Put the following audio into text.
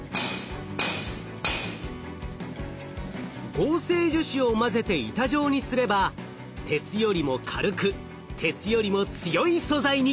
合成樹脂を混ぜて板状にすれば鉄よりも軽く鉄よりも強い素材に。